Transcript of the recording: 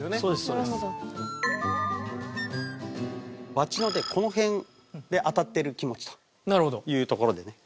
バチのねこの辺で当たってる気持ちというところでね。